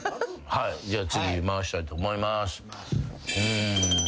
じゃあ次回したいと思います。